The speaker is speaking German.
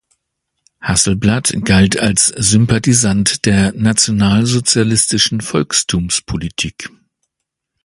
Hasselblatt galt als Sympathisant der nationalsozialistischen Volkstumspolitik.